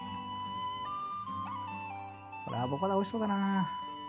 これアボカドおいしそうだな。